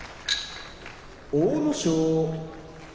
阿武咲